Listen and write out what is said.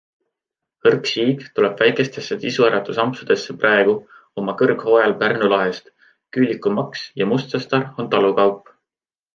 Hõrk siig tuleb väikestesse isuäratusampsudesse praegu, oma kõrghooajal Pärnu lahest, küülikumaks ja mustsõstar on talukaup.